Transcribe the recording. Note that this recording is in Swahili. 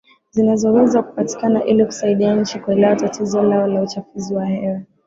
zinazoweza kupatikana ili kusaidia nchi kuelewa tatizo lao la uchafuzi wa hewa na